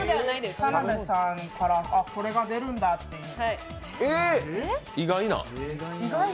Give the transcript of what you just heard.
田辺さんからこれが出るんだみたいな。